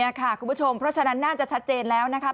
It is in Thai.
นี่ค่ะคุณผู้ชมเพราะฉะนั้นน่าจะชัดเจนแล้วนะ